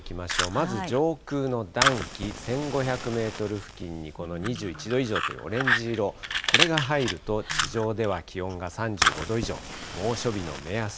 まず上空の暖気、１５００メートル付近に、この２１度以上というオレンジ色、これが入ると、地上では気温が３５度以上、猛暑日の目安。